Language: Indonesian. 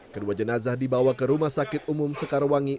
kedua jenazah dibawa ke rumah sakit umum sekarwangi